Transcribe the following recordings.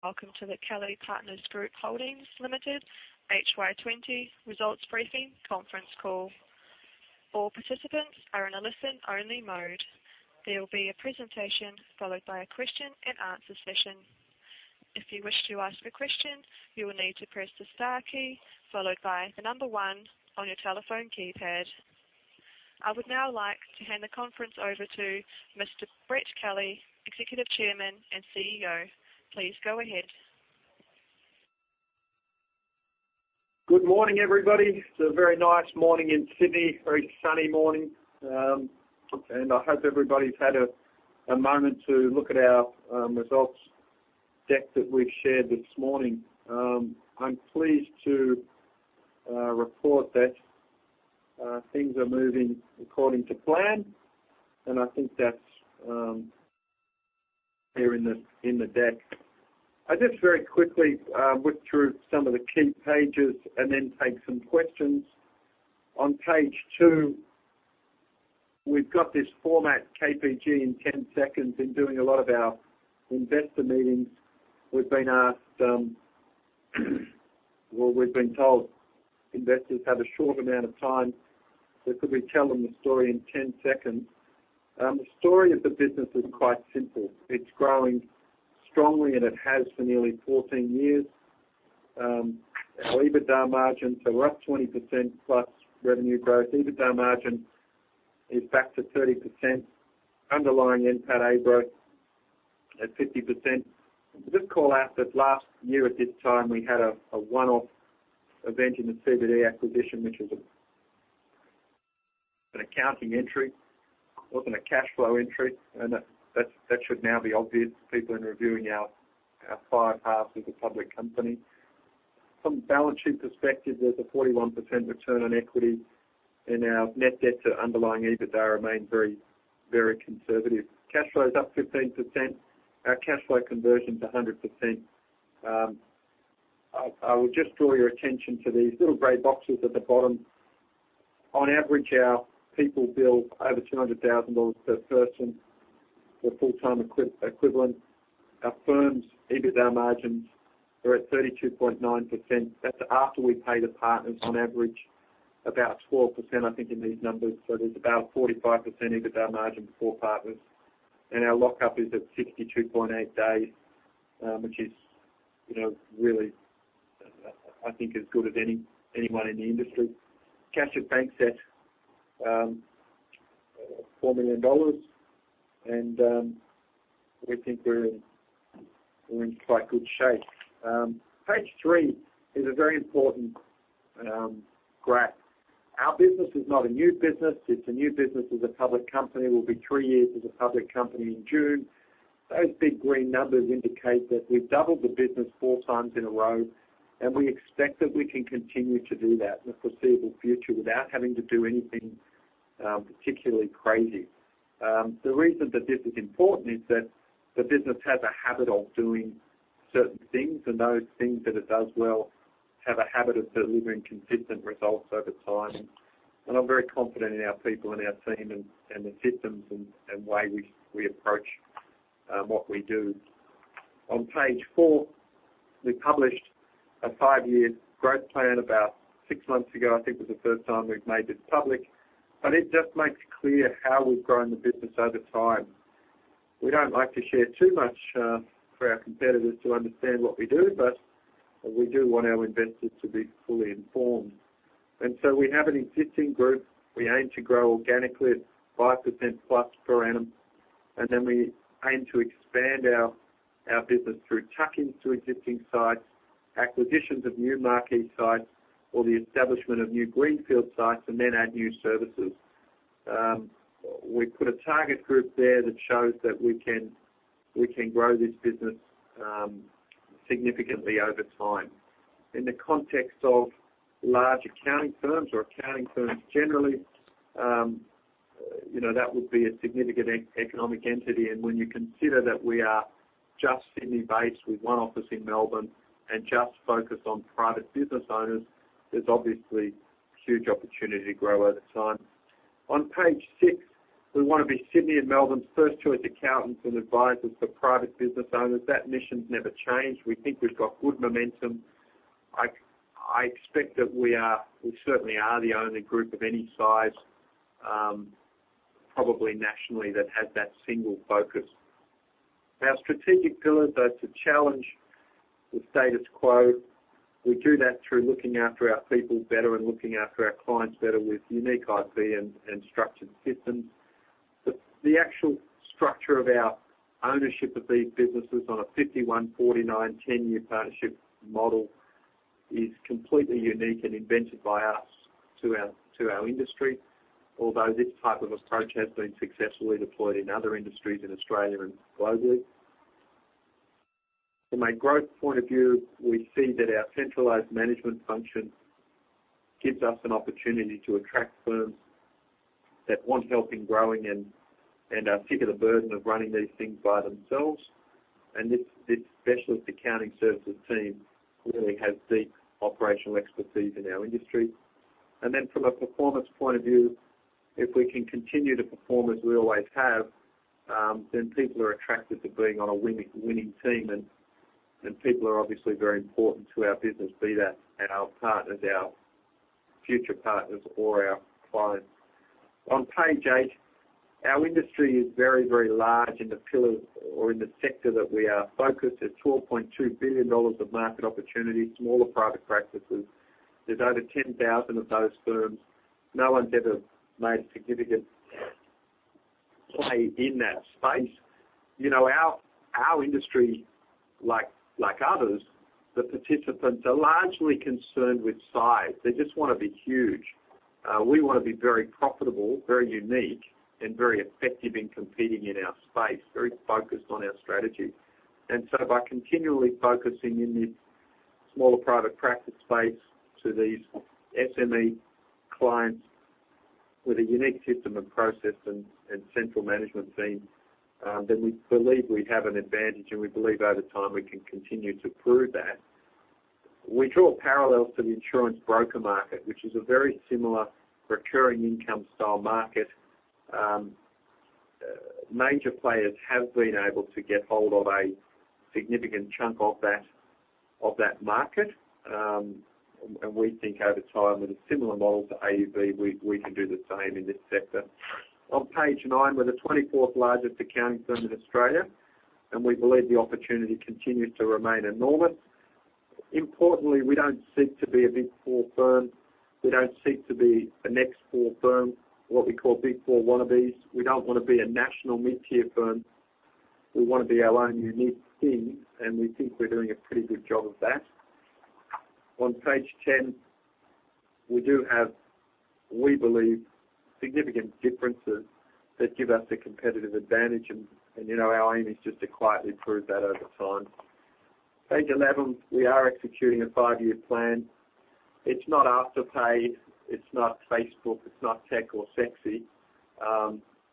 Welcome to the Kelly Partners Group Holdings Ltd, HY20 results briefing conference call. All participants are in a listen-only mode. There will be a presentation followed by a question-and-answer session. If you wish to ask a question, you will need to press the star key followed by the number one on your telephone keypad. I would now like to hand the conference over to Mr. Brett Kelly, Executive Chairman and CEO. Please go ahead. Good morning, everybody. It's a very nice morning in Sydney, a very sunny morning. I hope everybody's had a moment to look at our results deck that we've shared this morning. I'm pleased to report that things are moving according to plan, and I think that's here in the deck. I just very quickly whip through some of the key pages and then take some questions. On page two, we've got this format: KPG in 10 seconds. In doing a lot of our investor meetings, we've been asked, or we've been told, investors have a short amount of time, so could we tell them the story in 10 seconds? The story of the business is quite simple. It's growing strongly, and it has for nearly 14 years. Our EBITDA margins are up 20%+ revenue growth. EBITDA margin is back to 30%. Underlying NPAT growth at 50%. Just call out that last year at this time, we had a one-off event in the CBD acquisition, which was an accounting entry. It was not a cash flow entry, and that should now be obvious to people in reviewing our five halves of the public company. From a balance sheet perspective, there is a 41% ROE, and our net debt to underlying EBITDA remains very, very conservative. Cash flow is up 15%. Our cash flow conversion is 100%. I will just draw your attention to these little gray boxes at the bottom. On average, our people bill over 200,000 dollars per person, the full-time equivalent. Our firm's EBITDA margins are at 32.9%. That is after we pay the partners, on average about 12%, I think, in these numbers. There is about a 45% EBITDA margin for partners. Our lockup is at 62.8 days, which is really, I think, as good as anyone in the industry. Cash to bank set 4 million dollars, and we think we're in quite good shape. Page three is a very important graph. Our business is not a new business. It's a new business as a public company. We'll be three years as a public company in June. Those big green numbers indicate that we've doubled the business 4x in a row, and we expect that we can continue to do that in the foreseeable future without having to do anything particularly crazy. The reason that this is important is that the business has a habit of doing certain things, and those things that it does well have a habit of delivering consistent results over time. I am very confident in our people and our team and the systems and way we approach what we do. On page four, we published a five-year growth plan about six months ago. I think it was the first time we have made this public, but it just makes clear how we have grown the business over time. We do not like to share too much for our competitors to understand what we do, but we do want our investors to be fully informed. We have an existing group. We aim to grow organically at 5%+ per annum, and then we aim to expand our business through tuck-ins to existing sites, acquisitions of new marquee sites, or the establishment of new greenfield sites, and then add new services. We put a target group there that shows that we can grow this business significantly over time. In the context of large accounting firms or accounting firms generally, that would be a significant economic entity. When you consider that we are just Sydney-based with one office in Melbourne and just focused on private business owners, there is obviously a huge opportunity to grow over time. On page six, we want to be Sydney and Melbourne's first choice accountants and advisors for private business owners. That mission's never changed. We think we've got good momentum. I expect that we certainly are the only group of any size, probably nationally, that has that single focus. Our strategic pillars, though, to challenge the status quo, we do that through looking after our people better and looking after our clients better with unique IP and structured systems. The actual structure of our ownership of these businesses on a 51/49/10-year partnership model is completely unique and invented by us to our industry, although this type of approach has been successfully deployed in other industries in Australia and globally. From a growth point of view, we see that our centralized management function gives us an opportunity to attract firms that want help in growing and are sick of the burden of running these things by themselves. This specialist accounting services team really has deep operational expertise in our industry. From a performance point of view, if we can continue to perform as we always have, then people are attracted to being on a winning team, and people are obviously very important to our business, be that our partners, our future partners, or our clients. On page eight, our industry is very, very large, and the pillar or in the sector that we are focused is 12.2 billion dollars of market opportunity, smaller private practices. There are over 10,000 of those firms. No one's ever made a significant play in that space. Our industry, like others, the participants are largely concerned with size. They just want to be huge. We want to be very profitable, very unique, and very effective in competing in our space, very focused on our strategy. By continually focusing in this smaller private practice space to these SME clients with a unique system and process and central management team, we believe we have an advantage, and we believe over time we can continue to prove that. We draw parallels to the insurance broker market, which is a very similar recurring income style market. Major players have been able to get hold of a significant chunk of that market, and we think over time with a similar model to AUB, we can do the same in this sector. On page nine, we're the 24th largest accounting firm in Australia, and we believe the opportunity continues to remain enormous. Importantly, we don't seek to be a Big Four firm. We don't seek to be the next four firm, what we call Big Four wannabes. We don't want to be a national mid-tier firm. We want to be our own unique thing, and we think we're doing a pretty good job of that. On page 10, we do have, we believe, significant differences that give us a competitive advantage, and our aim is just to quietly prove that over time. Page 11, we are executing a five-year plan. It's not afterpaid. It's not Facebook. It's not tech or sexy,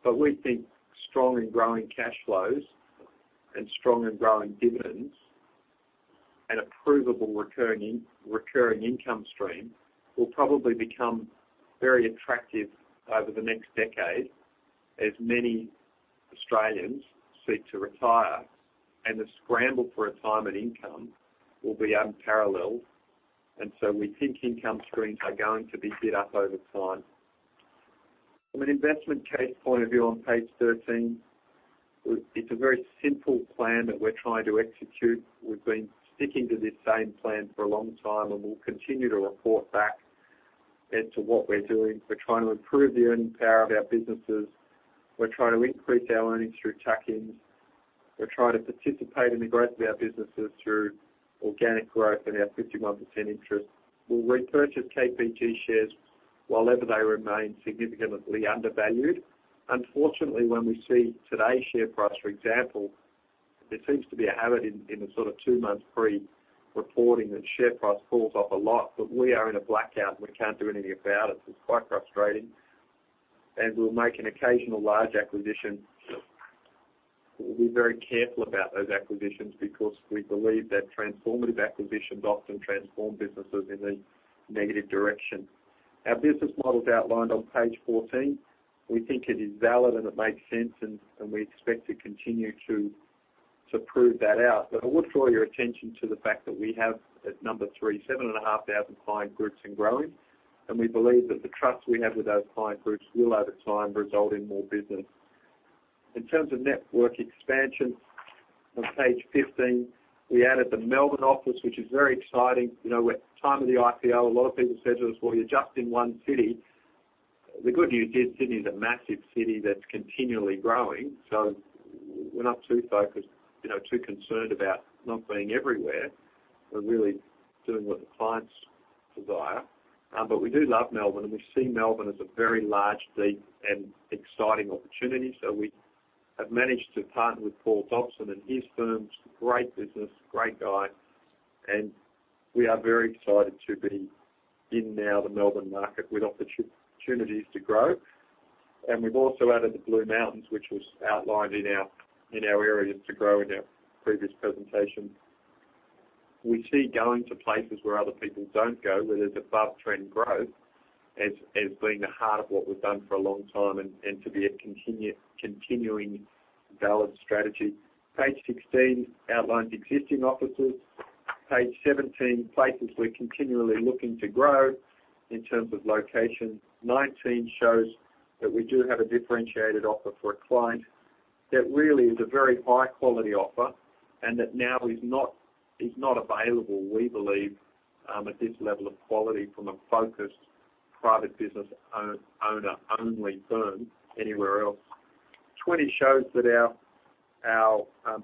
but we think strong and growing cash flows and strong and growing dividends and a provable recurring income stream will probably become very attractive over the next decade as many Australians seek to retire, and the scramble for retirement income will be unparalleled. We think income streams are going to be bid up over time. From an investment case point of view on page 13, it's a very simple plan that we're trying to execute. We've been sticking to this same plan for a long time, and we'll continue to report back as to what we're doing. We're trying to improve the earning power of our businesses. We're trying to increase our earnings through tuck-ins. We're trying to participate in the growth of our businesses through organic growth and our 51% interest. We'll repurchase KPG shares whileever they remain significantly undervalued. Unfortunately, when we see today's share price, for example, there seems to be a habit in the sort of two-month pre-reporting that share price falls off a lot, but we are in a blackout, and we can't do anything about it. It's quite frustrating, and we'll make an occasional large acquisition. We'll be very careful about those acquisitions because we believe that transformative acquisitions often transform businesses in a negative direction. Our business model is outlined on page 14. We think it is valid, and it makes sense, and we expect to continue to prove that out. I would draw your attention to the fact that we have, at number three, 7,500 client groups and growing, and we believe that the trust we have with those client groups will, over time, result in more business. In terms of network expansion, on page 15, we added the Melbourne office, which is very exciting. At the time of the [like there] a lot of people said to us, "Well, you're just in one city." The good news is Sydney is a massive city that's continually growing, so we're not too focused, too concerned about not being everywhere. We're really doing what the clients desire. We do love Melbourne, and we see Melbourne as a very large, deep, and exciting opportunity. We have managed to partner with Paul Dobson and his firms. Great business, great guy. We are very excited to be in now the Melbourne market with opportunities to grow. We have also added the Blue Mountains, which was outlined in our areas to grow in our previous presentation. We see going to places where other people do not go, where there is above-trend growth, as being the heart of what we have done for a long time and to be a continuing valid strategy. Page 16 outlines existing offices. Page 17, places we are continually looking to grow in terms of location. Page 19 shows that we do have a differentiated offer for a client that really is a very high-quality offer and that now is not available, we believe, at this level of quality from a focused private business owner-only firm anywhere else. Page 20 shows that our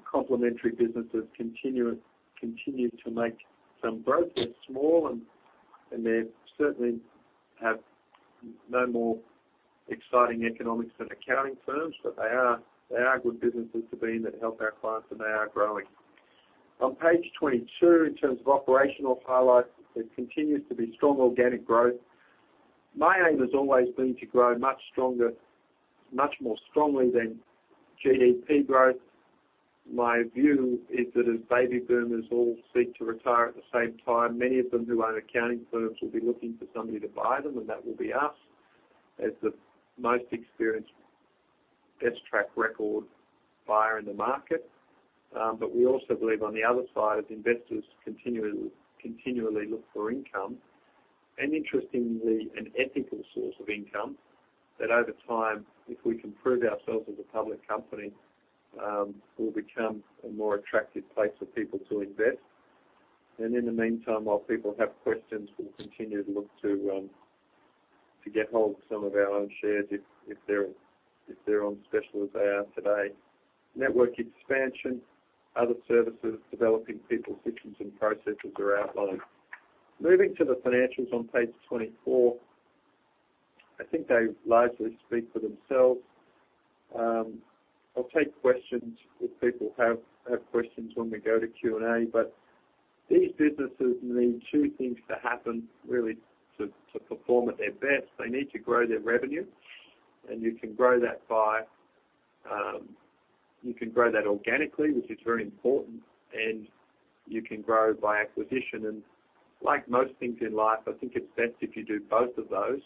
complementary businesses continue to make some growth. They are small, and they certainly have no more exciting economics than accounting firms, but they are good businesses to be in that help our clients, and they are growing. On page 22, in terms of operational highlights, there continues to be strong organic growth. My aim has always been to grow much more strongly than GDP growth. My view is that as baby boomers all seek to retire at the same time, many of them who own accounting firms will be looking for somebody to buy them, and that will be us as the most experienced, best-track record buyer in the market. We also believe on the other side as investors continually look for income and, interestingly, an ethical source of income that over time, if we can prove ourselves as a public company, will become a more attractive place for people to invest. In the meantime, while people have questions, we'll continue to look to get hold of some of our own shares if they're on special as they are today. Network expansion, other services, developing people, systems, and processes are outlined. Moving to the financials on page 24, I think they largely speak for themselves. I'll take questions if people have questions when we go to Q&A, but these businesses need two things to happen, really, to perform at their best. They need to grow their revenue, and you can grow that organically, which is very important, and you can grow by acquisition. Like most things in life, I think it's best if you do both of those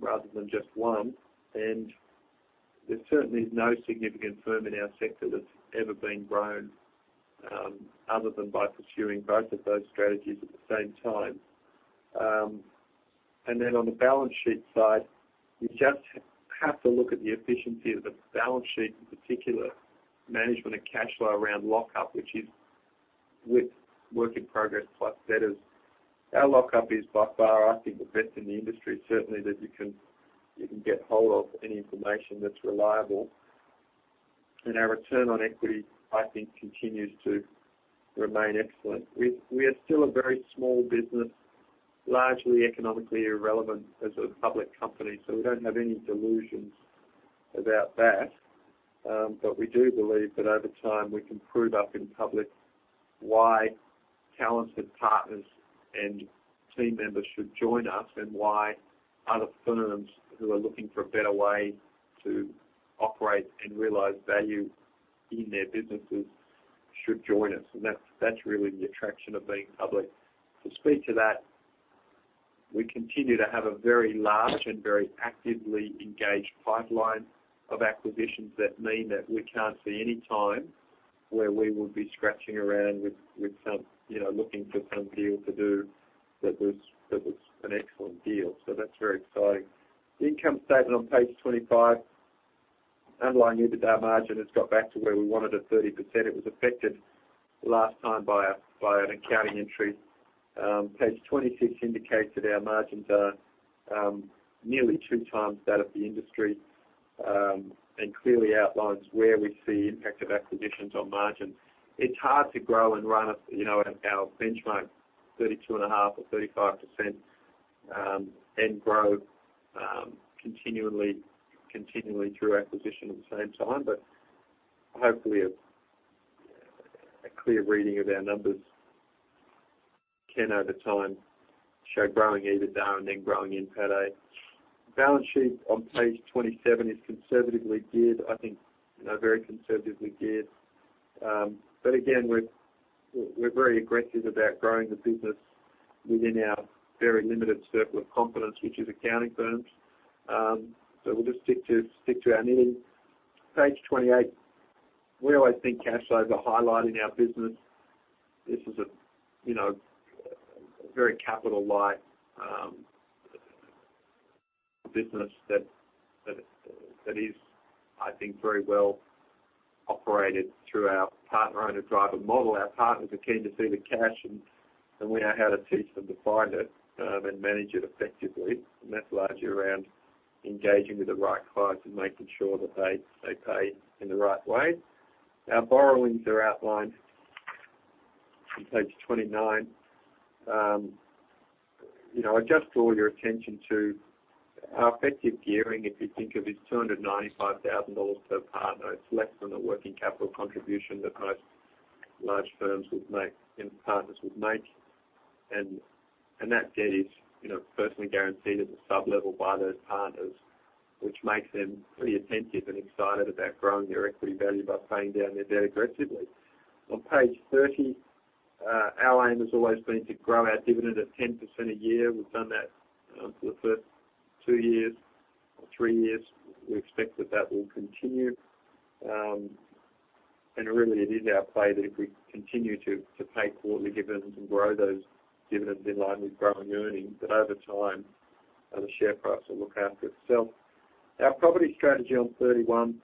rather than just one. There certainly is no significant firm in our sector that's ever been grown other than by pursuing both of those strategies at the same time. On the balance sheet side, you just have to look at the efficiency of the balance sheet in particular, management of cash flow around lockup, which is with work in progress plus debtors. Our lockup is by far, I think, the best in the industry, certainly, that you can get hold of any information that's reliable. Our ROE, I think, continues to remain excellent. We are still a very small business, largely economically irrelevant as a public company, so we don't have any delusions about that. We do believe that over time we can prove up in public why talented partners and team members should join us and why other firms who are looking for a better way to operate and realize value in their businesses should join us. That's really the attraction of being public. To speak to that, we continue to have a very large and very actively engaged pipeline of acquisitions that mean that we can't see any time where we would be scratching around looking for some deal to do that was an excellent deal. That is very exciting. The income statement on page 25, underlying EBITDA margin has got back to where we wanted at 30%. It was affected last time by an accounting entry. Page 26 indicates that our margins are nearly 2x that of the industry and clearly outlines where we see impact of acquisitions on margins. It is hard to grow and run at our benchmark, 32.5%-35%, and grow continually through acquisition at the same time. Hopefully, a clear reading of our numbers can, over time, show growing EBITDA and then growing NPAT. Balance sheet on page 27 is conservatively geared, I think, very conservatively geared. We are very aggressive about growing the business within our very limited circle of confidence, which is accounting firms. We will just stick to our nitty. Page 28, we always think cash flow is a highlight in our business. This is a very capital-light business that is, I think, very well operated through our partner-owner-driver model. Our partners are keen to see the cash, and we know how to teach them to find it and manage it effectively. That is largely around engaging with the right clients and making sure that they pay in the right way. Our borrowings are outlined on page 29. I would just draw your attention to our effective gearing, if you think of it as 295,000 dollars per partner. is less than the working capital contribution that most large firms and partners would make. That debt is personally guaranteed at the sublevel by those partners, which makes them pretty attentive and excited about growing their equity value by paying down their debt aggressively. On page 30, our aim has always been to grow our dividend at 10% a year. We have done that for the first two years or three years. We expect that will continue. Really, it is our play that if we continue to pay quarterly dividends and grow those dividends in line with growing earnings, over time the share price will look after itself. Our property strategy on 31,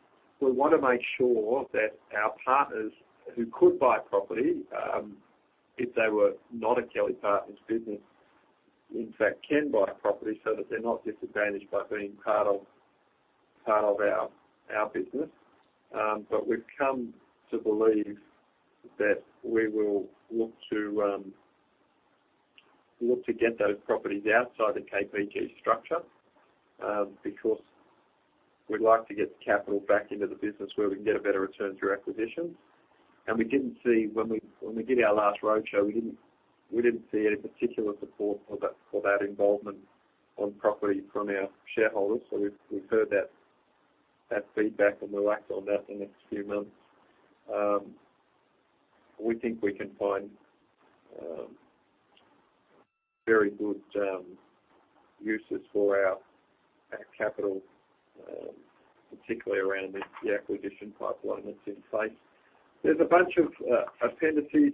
we want to make sure that our partners who could buy property, if they were not a Kelly Partners business, in fact can buy property so that they're not disadvantaged by being part of our business. We have come to believe that we will look to get those properties outside the KPG structure because we'd like to get capital back into the business where we can get a better return through acquisitions. We did not see when we did our last roadshow, we did not see any particular support for that involvement on property from our shareholders. We have heard that feedback, and we will act on that in the next few months. We think we can find very good uses for our capital, particularly around the acquisition pipeline that is in place. There is a bunch of appendices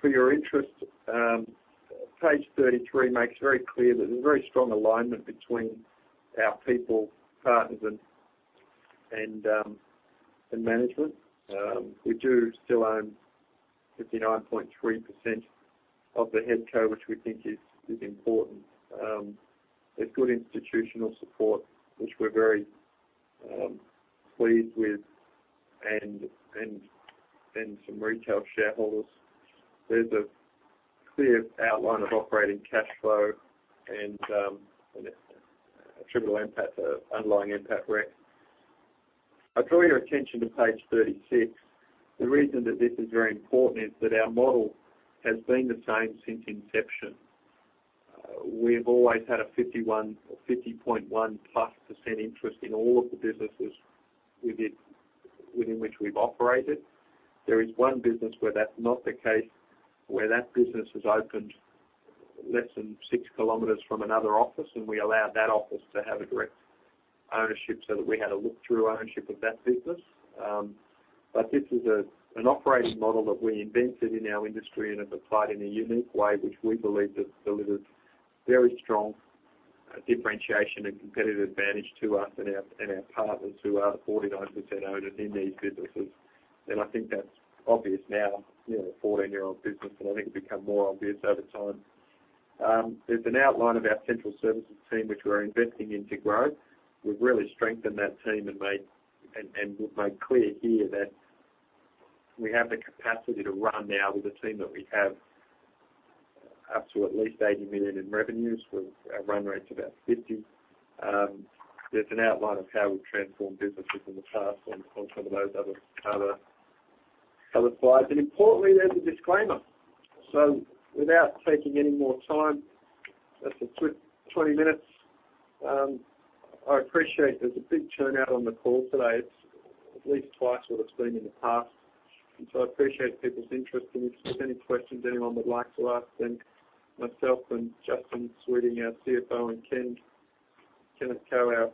for your interest. Page 33 makes very clear that there's very strong alignment between our people, partners, and management. We do still own 59.3% of the head co, which we think is important. There's good institutional support, which we're very pleased with, and some retail shareholders. There's a clear outline of operating cash flow and a trivial impact to underlying impact risk. I'll draw your attention to page 36. The reason that this is very important is that our model has been the same since inception. We have always had a 51% or 50.1%+ interest in all of the businesses within which we've operated. There is one business where that's not the case, where that business has opened less than 6 km from another office, and we allowed that office to have a direct ownership so that we had a look-through ownership of that business. This is an operating model that we invented in our industry and have applied in a unique way, which we believe has delivered very strong differentiation and competitive advantage to us and our partners who are the 49% owners in these businesses. I think that's obvious now, a 14-year-old business, and I think it'll become more obvious over time. There's an outline of our central services team, which we're investing in to grow. We've really strengthened that team and would make clear here that we have the capacity to run now with a team that we have up to at least 80 million in revenues. Our run rate's about 50 million. There's an outline of how we've transformed businesses in the past on some of those other slides. Importantly, there's a disclaimer. Without taking any more time, just a quick 20 minutes. I appreciate there's a big turnout on the call today. It's at least twice what it's been in the past. I appreciate people's interest. If there's any questions anyone would like to ask, myself and Justin Sweeting, our CFO, and Kenneth Ko, our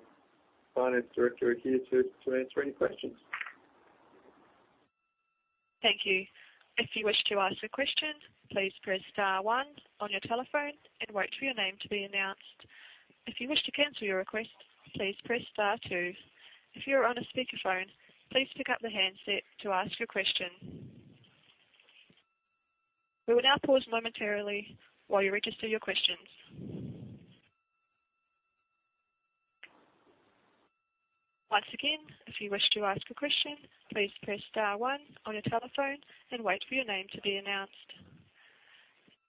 Finance Director, are here to answer any questions. Thank you. If you wish to ask a question, please press star one on your telephone and wait for your name to be announced. If you wish to cancel your request, please press star two. If you're on a speakerphone, please pick up the handset to ask your question. We will now pause momentarily while you register your questions. Once again, if you wish to ask a question, please press star one on your telephone and wait for your name to be announced.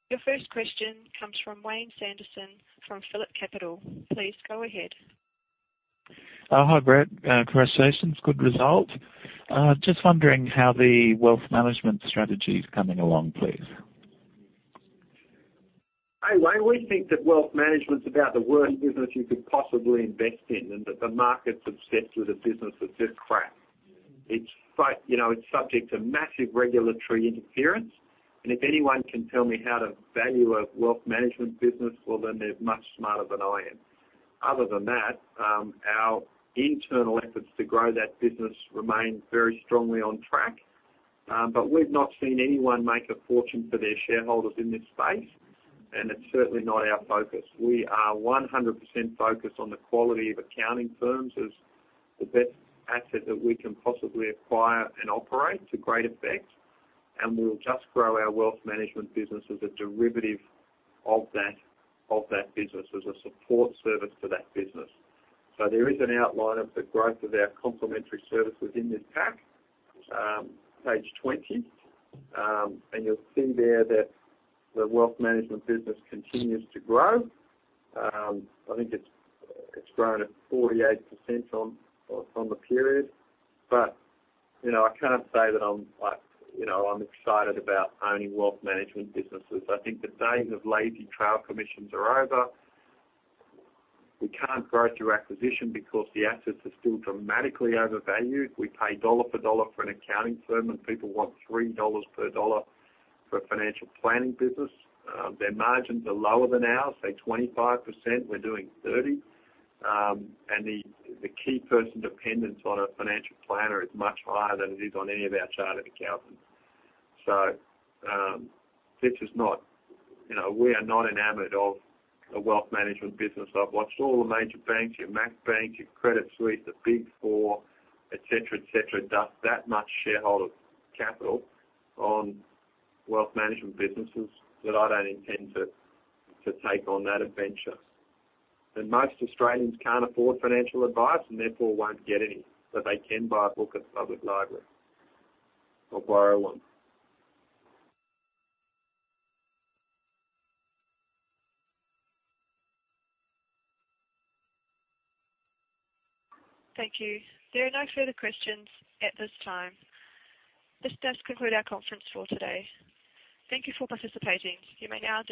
Your first question comes from Wayne Sanderson from Phillip Capital. Please go ahead. Hi, Brett. Congratulations. Good result. Just wondering how the wealth management strategy's coming along, please. Hi. Why do we think that wealth management's about the worst business you could possibly invest in and that the market's obsessed with a business that's just crap? It's subject to massive regulatory interference. If anyone can tell me how to value a wealth management business, well, then they're much smarter than I am. Other than that, our internal efforts to grow that business remain very strongly on track. We've not seen anyone make a fortune for their shareholders in this space, and it's certainly not our focus. We are 100% focused on the quality of accounting firms as the best asset that we can possibly acquire and operate to great effect. We will just grow our wealth management business as a derivative of that business, as a support service to that business. There is an outline of the growth of our complementary services in this pack, page 20. You will see there that the wealth management business continues to grow. I think it has grown at 48% on the period. I cannot say that I am excited about owning wealth management businesses. I think the days of lazy trail commissions are over. We cannot grow through acquisition because the assets are still dramatically overvalued. We pay dollar for dollar for an accounting firm, and people want 3 dollars per dollar for a financial planning business. Their margins are lower than ours, say 25%. We are doing 30%. The key person dependence on a financial planner is much higher than it is on any of our chartered accountants. This is not, we are not in the middle of a wealth management business. I've watched all the major banks, your Mac banks, your Credit Suisse, the Big Four, etc., etc., dust that much shareholder capital on wealth management businesses that I don't intend to take on that adventure. Most Australians can't afford financial advice and therefore won't get any. They can buy a book at the public library or borrow one. Thank you. There are no further questions at this time. This does conclude our conference for today. Thank you for participating. You may now.